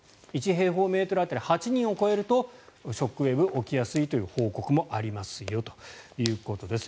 １平方メートル当たり８人を超えるとショックウェーブが起きやすいという報告もありますよということです。